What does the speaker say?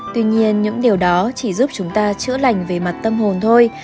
tuy nhiên những điều đó chỉ giúp chúng ta chữa lành về mặt tâm hồn thôi